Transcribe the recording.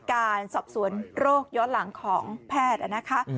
การสอบสวนโรคย้อนหลังของแพทย์นะคะ